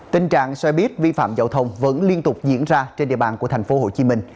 tình trạng xe buýt vi phạm giao thông vẫn liên tục diễn ra trên địa bàn của thành phố hồ chí minh